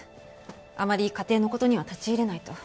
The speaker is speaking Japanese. あまり家庭の事には立ち入れないと。